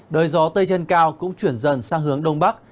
đời gió tây trên cao cũng chuyển dần sang hướng đông bắc